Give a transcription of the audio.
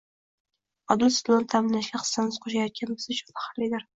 Odil sudlovni ta’minlanishiga hissamiz qo‘shilayotgani biz uchun faxrlidir